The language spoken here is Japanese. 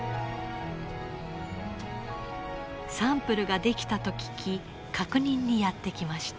サンプルが出来たと聞き確認にやって来ました。